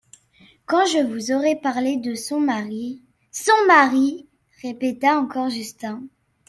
Quand je vous aurai parlé de son mari … Son mari ! répéta encore Justin.